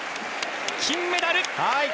金メダル！